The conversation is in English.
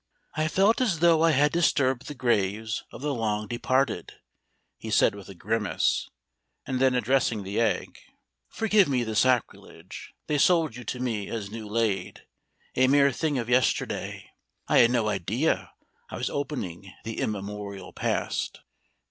"I felt as though I had disturbed the graves of the long departed," he said with a grimace, and then addressing the egg: "Forgive me the sacrilege: they sold you to me as new laid, a mere thing of yesterday. I had no idea I was opening the immemorial past.